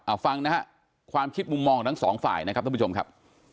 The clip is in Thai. เอาฟังนะฮะความคิดมุมมองของทั้งสองฝ่ายนะครับท่านผู้ชมครับ